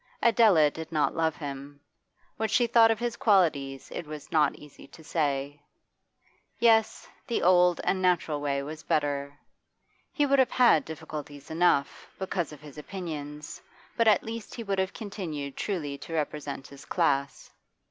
Adela did not love him; what she thought of his qualities it was not easy to say. Yes, the old and natural way was better. He would have had difficulties enough, because of his opinions, but at least he would have continued truly to represent his class.